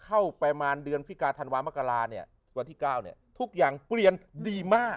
เข้าประมาณเดือนพิการธรรมมะกะลาวันที่๙ทุกอย่างเปลี่ยนดีมาก